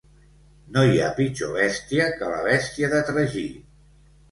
No hi ha pitjor bèstia que la bèstia de tragí.